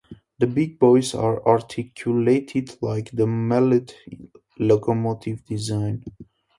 The Big Boys are articulated, like the Mallet locomotive design.